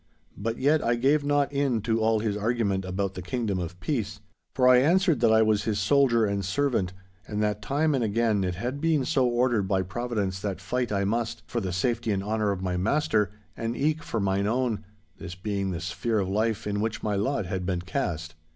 But yet I gave not in to all his argument about the Kingdom of Peace. For I answered that I was his soldier and servant, and that time and again it had been so ordered by Providence that fight I must—for the safety and honour of my master and eke for mine own, this being the sphere of life in which my lot had been cast.